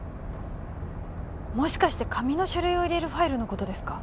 もしかして紙の書類を入れるファイルのことですか？